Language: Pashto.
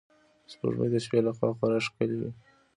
سپوږمۍ د شپې له خوا خورا ښکلی وي